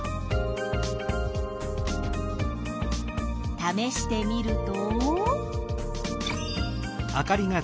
ためしてみると？